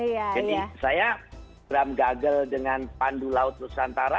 jadi saya program gagel dengan pandu laut nusantara